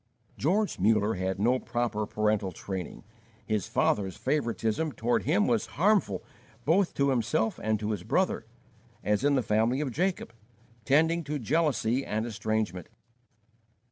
George Muller had no proper parental training. His father's favoritism toward him was harmful both to himself and to his brother, as in the family of Jacob, tending to jealousy and estrangement.